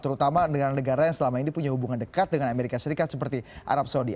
terutama negara negara yang selama ini punya hubungan dekat dengan amerika serikat seperti arab saudi